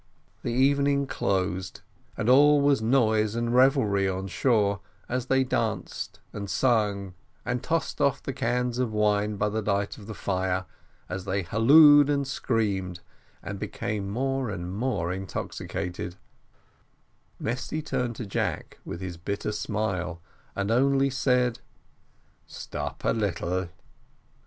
The evening closed, and all was noise and revelry on shore; and as they danced, and sung, and tossed off the cans of wine by the light of the fire, as they hallooed and screamed, and became more and more intoxicated, Mesty turned to Jack with his bitter smile, and only said: "Stop a little."